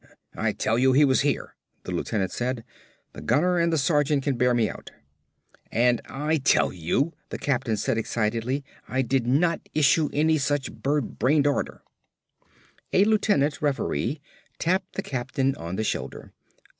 "I tell you he was here," the lieutenant said. "The gunner and the sergeant can bear me out." "And I tell you," the captain said excitedly, "I did not issue any such bird brained order." A lieutenant referee tapped the captain on the shoulder.